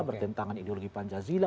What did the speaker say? bertentangan ideologi pancasila